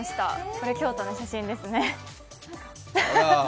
これ京都の写真ですね。